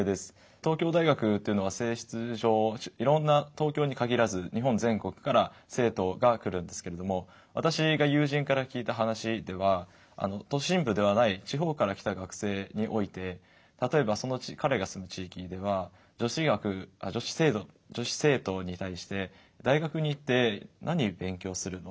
東京大学というのは性質上いろんな東京に限らず日本全国から生徒が来るんですけれども私が友人から聞いた話では都心部ではない地方から来た学生において例えばその彼が住む地域では女子生徒に対して大学に行って何勉強するの？